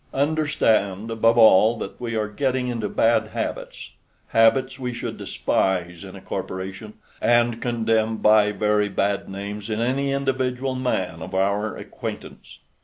Understand above all that we are getting into bad habits habits we should despise in a corporation, and condemn by very bad names in any individual man of our acquaintance.